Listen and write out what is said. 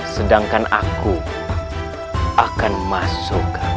sedangkan aku akan masuk menyusup ke dalam istana